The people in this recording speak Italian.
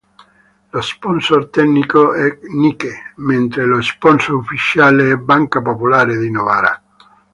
Lo sponsor tecnico è Nike, mentre lo sponsor ufficiale è Banca Popolare di Novara.